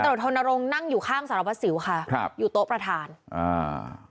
พันตำลดโทษศิลป์นารงด้วยนั่งอยู่ข้างสรวสิวค่ะครับอยู่โต๊ะประธานอ่า